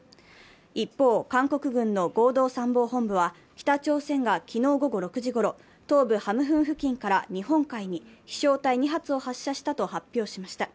一方、韓国軍の合同参謀本部は北朝鮮が昨日午後６時ごろ、東部ハムフン付近から日本海に飛翔体２発を発射したと発表しました。